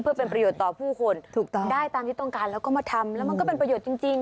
เพื่อเป็นประโยชน์ต่อผู้คนถูกต้องได้ตามที่ต้องการแล้วก็มาทำแล้วมันก็เป็นประโยชน์จริง